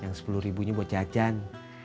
yang sepuluh ribunya buat jajan